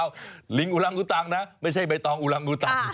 ลิงอุรังงูตังนะไม่ใช่ใบตองอุรังงูตัง